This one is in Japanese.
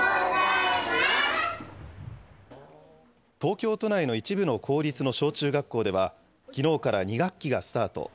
東京都内の一部の公立の小中学校では、きのうから２学期がスタート。